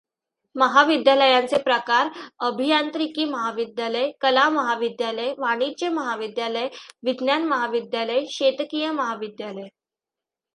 महाविद्यालयांचे प्रकार अभियांत्रिकी महाविद्यालय, कला महाविद्यालय, वाणिज्य महाविद्यालय, विज्ञान महाविद्यालय, शेतकी महाविद्यालय.